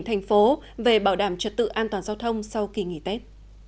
thành phố về bảo đảm trật tự an toàn giao thông sau kỳ nghỉ tết